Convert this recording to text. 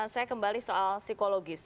saya kembali soal psikologis